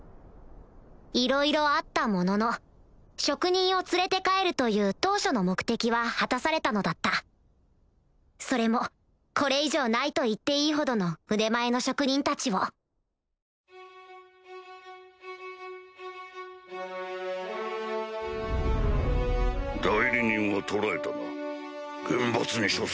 いろいろあったものの職人を連れて帰るという当初の目的は果たされたのだったそれもこれ以上ないと言っていいほどの腕前の職人たちを代理人は捕らえたな厳罰に処せ。